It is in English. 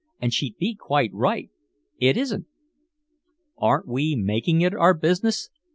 And she'd be quite right. It isn't." "Aren't we making it our business?"